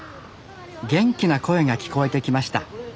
元気な声が聞こえてきました。